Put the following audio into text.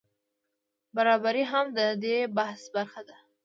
برابري هم د دې بحث برخه ده.